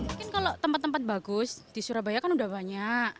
mungkin kalau tempat tempat bagus di surabaya kan udah banyak